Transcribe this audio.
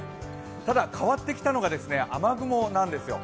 ただ、変わってきたのが雨雲なんですよ。